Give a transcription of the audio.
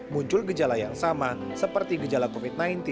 muncul gejala yang sama seperti gejala covid sembilan belas